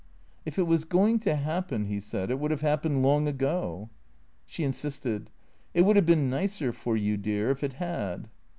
" If it was going to happen," he said, " it would have hap pened long ago." She insisted. " It would have been nicer for you, dear, if it had."